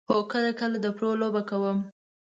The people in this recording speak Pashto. هو، کله کله د پرو لوبه کوم